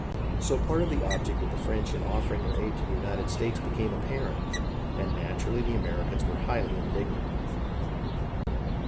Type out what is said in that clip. So a part of the object of the French in offering their aid to the United States became apparent, and naturally the Americans were highly indignant.